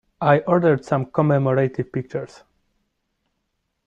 I ordered some commemorative pictures.